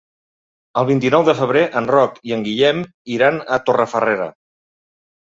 El vint-i-nou de febrer en Roc i en Guillem iran a Torrefarrera.